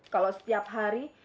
kalau setiap hari